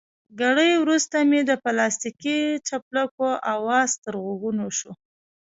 ګړی وروسته مې د پلاستیکي څپلکو اواز تر غوږو شو.